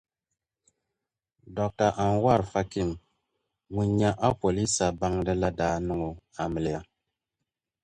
Dr. Anwar Fakim ŋun nya apɔleesa baŋda la daa niŋ o amiliya.